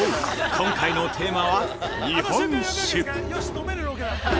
今回のテーマは日本酒。